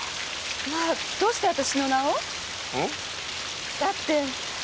まあどうして私の名を？ん？だって。